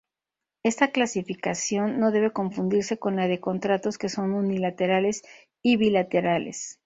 Esta clasificación no debe confundirse con la de contratos que son unilaterales y bilaterales.